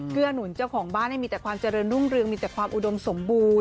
หนุนเจ้าของบ้านให้มีแต่ความเจริญรุ่งเรืองมีแต่ความอุดมสมบูรณ